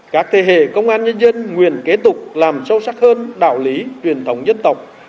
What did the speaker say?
các thế hệ công an nhân dân nguyện kế tục làm sâu sắc hơn đạo lý truyền thống dân tộc